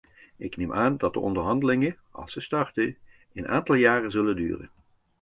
Ik neem aan dat de onderhandelingen, als ze starten, een aantal jaren zullen duren.